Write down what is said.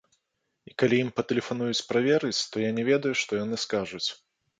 І калі ім патэлефануюць праверыць, то я не ведаю, што яны скажуць.